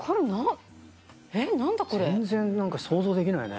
全然何か想像できないね。